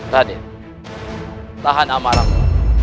radit tahan amaramu